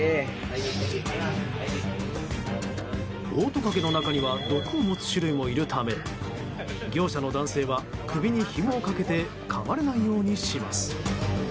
オオトカゲの中には毒を持つ種類もいるため業者の男性は、首にひもをかけてかまれないようにします。